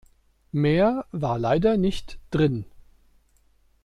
Mehr war leider nicht drin.